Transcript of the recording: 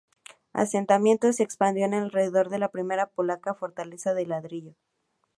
El asentamiento se expandió alrededor de la primera polaca fortaleza de ladrillo.